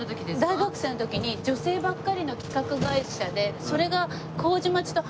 大学生の時に女性ばっかりの企画会社で。